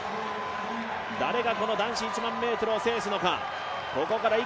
誰がこの男子１００００ｍを制すのか。